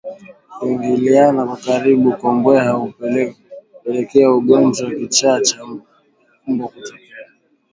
Kuingiliana kwa karibu kwa mbweha hupelekea ugonjwa wa kichaa cha mbwa kutokea